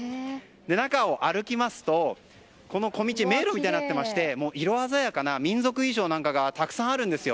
中を歩きますと小道、迷路みたいになっていて色鮮やかな民族衣装がたくさんあるんです。